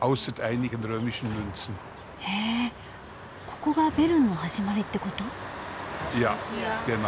ここがベルンの始まりってこと？